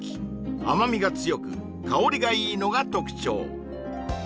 甘みが強く香りがいいのが特徴